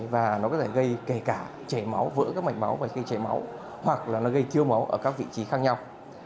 và nó có thể gây kể cả chảy máu vỡ các mạch máu và khi chảy máu hoặc là nó gây thiêu máu ở các vị trí khác nhau